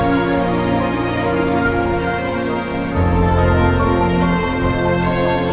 kita doakan dulu yuk